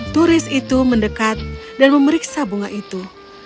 turis itu mendekat dan memeriksa bunga itu